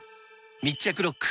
密着ロック！